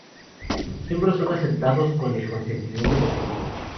Los miembros son aceptados con el consentimiento del grupo.